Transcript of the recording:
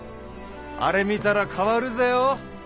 あれ見たら変わるぜよ